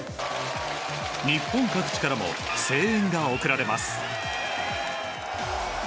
日本各地からも声援が送られます。